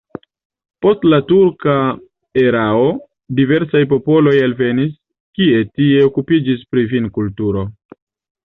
Post la turka erao diversaj popoloj alvenis, kie tie okupiĝis pri vinkulturo.